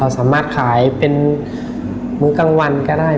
สามารถขายเป็นมื้อกลางวันก็ได้